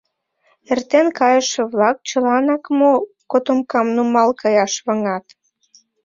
Эртен кайыше-влак чыланак мо котомкам нумал каяш ваҥат?